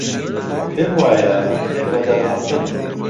پێم وایە ئێمە دەناسن.